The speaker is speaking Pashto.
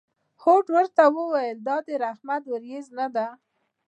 هود ورته وویل: دا د رحمت ورېځ نه ده.